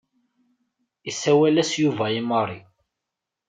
Isawel-as Yuba i Mary.